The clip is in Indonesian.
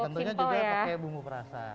dan tentunya juga pakai bumbu perasa